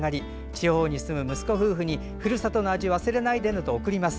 地方に住む息子夫婦にふるさとの味忘れないでねと送ります。